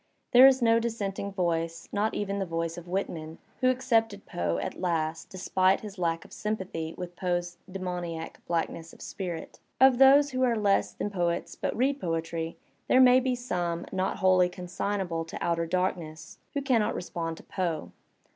There is no dissenting voice, not even the voice of Whitman, who ac cepted Poe at last despite his lack of sympathy with Poe*s demoniac blackness of spirit. Of those who are less than poets but read poetry, there may be some, not wholly Gonsignable to outer darkness, who cannot Digitized by Google POE 145 respond to Poe.